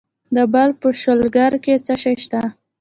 د بلخ په شولګره کې څه شی شته؟